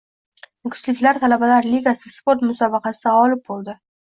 Nukusliklar «Talabalar ligasi» sport musobaqasida g‘olib bӯlding